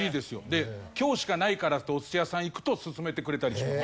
で「今日しかないから」ってお寿司屋さん行くと薦めてくれたりします。